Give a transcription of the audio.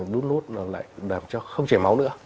đút nút nó lại làm cho không chảy máu nữa